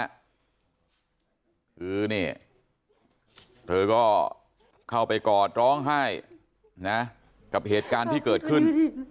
คือนี่เธอก็เข้าไปกอดร้องไห้นะกับเหตุการณ์ที่เกิดขึ้น